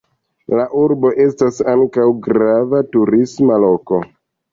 La urbo estas ankaŭ grava turisma loko.